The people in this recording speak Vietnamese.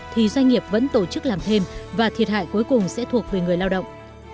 thì doanh nghiệp vẫn tổ chức làm thêm và thiệt hại cuối cùng sẽ thuộc về người lao động